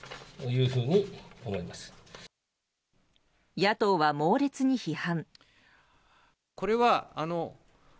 野党は猛烈に批判。